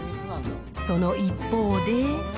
その一方で。